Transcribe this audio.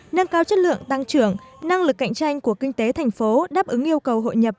nâng cao chất lượng tăng trưởng năng lực cạnh tranh của kinh tế thành phố đáp ứng yêu cầu hội nhập